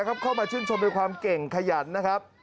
เข้ามาชื่นชมในความเก่งขยันนะครับ